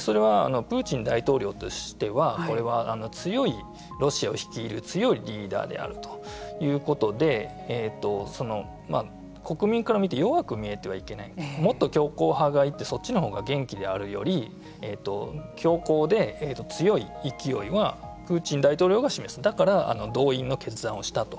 それは、プーチン大統領としてはこれは強いロシアを率いる強いリーダーであるということで国民から見て弱く見えてはいけないもっと強硬派がいてそっちの方が元気であるより強硬で、強い勢いはプーチン大統領が示すだから、動員の決断をしたと。